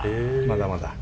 まだまだ。